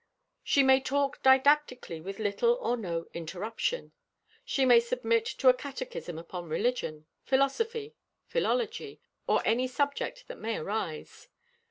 She may talk didactically with little or no interruption. She may submit to a catechism upon religion, philosophy, philology, or any subject that may arise.